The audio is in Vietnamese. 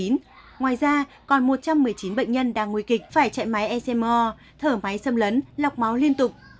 ngoài ra còn một trăm một mươi chín bệnh nhân đang nguy kịch phải chạy máy esemo thở máy xâm lấn lọc máu liên tục